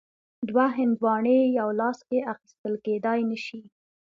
دوه هندواڼې یو لاس کې اخیستل کیدای نه شي.